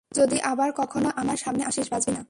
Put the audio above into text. যদি আবার কখনো আমার সামনে আসিস, বাঁচবি না।